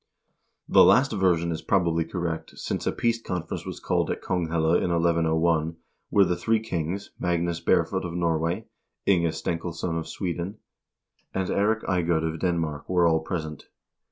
The last version is probably correct, since a peace conference was called at Konghelle in 1101, where the three kings, Magnus Barefoot of Nor way, Inge Stenkilsson of Sweden, and Eirik Eiegod of Denmark were all present.